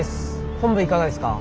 本部いかがですか？